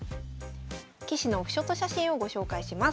棋士のオフショット写真をご紹介します。